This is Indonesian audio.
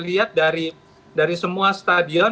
lihat dari semua stadion